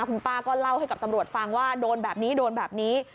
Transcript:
คุณป้าก็เล่าให้กับตำรวจฟังว่าโดนแบบนี้โดนแบบนี้